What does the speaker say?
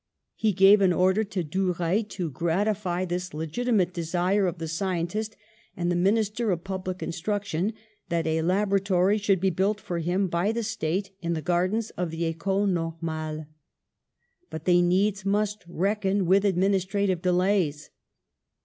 He gave an order to Duruy to gratify this legiti mate desire of the scientist and the Minister of Public Instruction that a laboratory should be built for him by the State in the gardens of the Ecole Normale. But they needs must reckon with administrative delays!